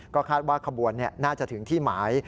ก็คาดว่าขบวนน่าจะถึงที่หมาย